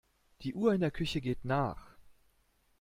Die Uhr in der Küche geht nach.